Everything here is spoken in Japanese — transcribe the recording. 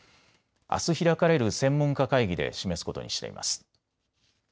あす開かれる専門家会議で示すことにしています。